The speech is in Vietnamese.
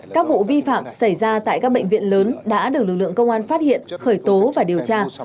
các vụ vi phạm xảy ra tại các bệnh viện lớn đã được lực lượng công an phát hiện khởi tố và điều tra